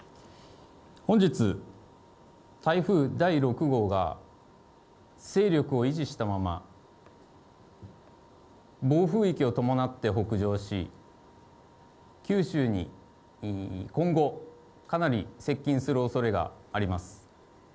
本日、台風第６号が勢力を維持したまま、暴風域を伴って北上し、九州に今後、かなり接近するおそれがあります。